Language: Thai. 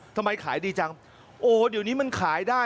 ทำไมขายดีจังโอ้เดี๋ยวนี้มันขายได้